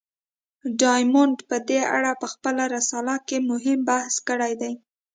ډایمونډ په دې اړه په خپله رساله کې مهم بحث کړی دی.